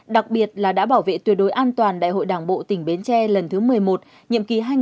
đặc biệt là đã bảo vệ tuyệt đối an toàn đại hội đảng bộ tỉnh bến tre lần thứ một mươi một nhiệm kỳ hai nghìn hai mươi hai nghìn hai mươi năm